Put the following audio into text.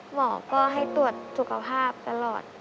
หมอก็ให้ตรวจสุขภาพตลอด